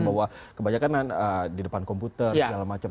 bahwa kebanyakan kan di depan komputer segala macam